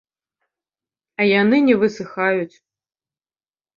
А яны не высыхаюць.